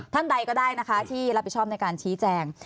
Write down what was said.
ท่านใดก็ได้นะคะที่รับผิดชอบในการชี้แจง